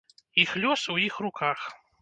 Іх лёс у іх руках.